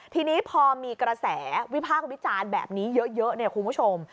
ทีนี้พอมีกระแสวิพากษ์วิจารณ์แบบนี้เยอะเนี่ยคุณผู้ชม